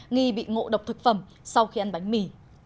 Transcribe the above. nghi bị ngộ độc thực phẩm sau khi ăn bánh mì